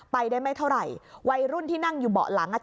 ไปได้ไม่เท่าไหร่วัยรุ่นที่นั่งอยู่เบาะหลังอ่ะ